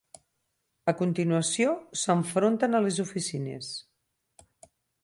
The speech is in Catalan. A continuació, s’enfronten a les oficines.